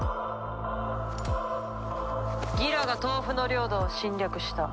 ギラがトウフの領土を侵略した。